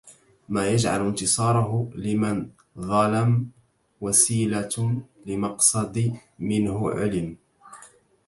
من يجعل انتصاره لمن ظلمْ وسيلة لمقصد منه علمْ